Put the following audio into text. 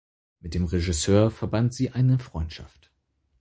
Mit dem Regisseur verband sie eine Freundschaft.